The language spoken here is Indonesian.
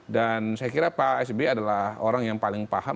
dan saya kira pak sby adalah orang yang paling paham